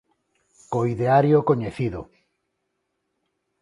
Co ideario coñecido.